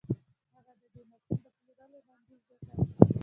هغه د دې ماشين د پلورلو وړانديز وکړ.